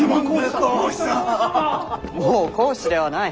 もう公子ではない。